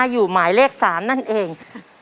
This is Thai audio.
อยู่หมายเลข๓นั่นเอง